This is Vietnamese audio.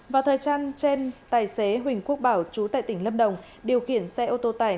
vào thời trang trên tài xế huỳnh quốc bảo chú tại tỉnh lâm đồng điều khiển xe ô tô tải